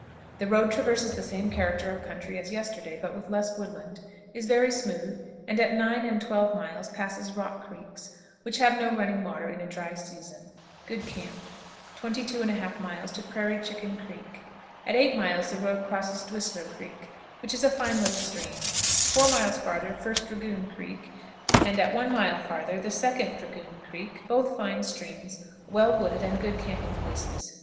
The road traverses the same character of country as yesterday, but with less woodland, is very smooth, and at 9 and 12 miles passes "Rock Creeks," which have no running water in a dry season. Good camp. 22 1/2. Prairie Chicken Creek. At eight miles the road crosses Dwissler Creek, which is a fine little stream; four miles farther First Dragoon Creek, and at one mile farther the Second Dragoon Creek, both fine streams, well wooded, and good camping places.